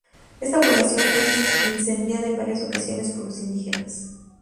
Esta población fue incendiada en varias ocasiones por los indígenas.